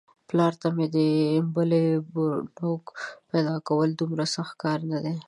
پلار ته مې د بلې نږور پيداکول دومره سخت کار نه دی.